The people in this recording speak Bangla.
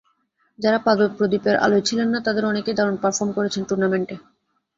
যাঁরা পাদপ্রদীপের আলোয় ছিলেন না, তাঁদের অনেকেই দারুণ পারফরম করেছেন টুর্নামেন্টে।